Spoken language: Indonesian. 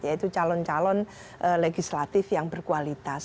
yaitu calon calon legislatif yang berkualitas